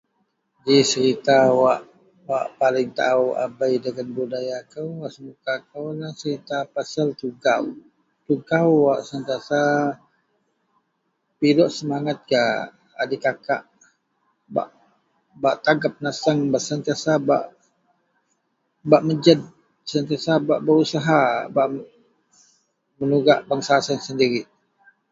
Ji serita wak paling tao a bei dagen budaya kou wak senuka kou serita pasel Tugau. Tugau wak sentiasa ....pidok semanget gak a dikakak bak bak tagep naseng, bak sentiasa bak, bak meged sentiasa bak berusaha menugak bangsa siyen sendirik.